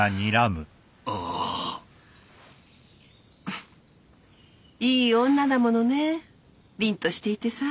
フッいい女だものね凜としていてさ。